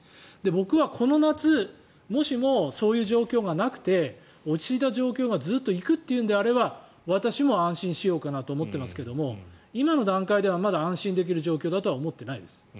僕はこの夏もしもこの状況がなくて落ち着いた状況がずっと行くというのであれば私も安心しようかなと思っていますけど今の段階ではまだ安心できる状況ではないと思っています。